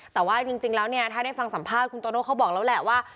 แต่ว่าจริงแล้วเนี่ยถ้าได้ฟังสัมภาษณ์คุณโตโน่เขาบอกแล้วแหละว่า